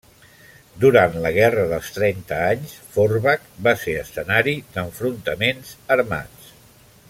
Durant la guerra dels Trenta Anys, Forbach va ser escenari d'enfrontaments armats.